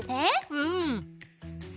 うん！